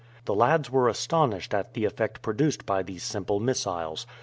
The lads were astonished at the effect produced by these simple missiles.